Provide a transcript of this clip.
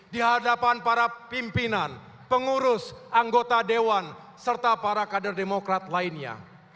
di hadapan para pimpinan pengurus anggota dewan serta para kader demokrat lainnya